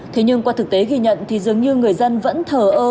thế nhưng qua thực tế ghi nhận thì dường như người dân vẫn thờ ơ